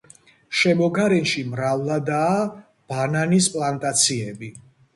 შემოგარენში მრავლადაა ბანანის პლანტაციები.